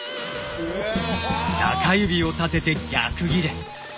中指を立てて逆ギレ。